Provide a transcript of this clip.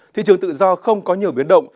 thị trường tự do không có nhiều biến động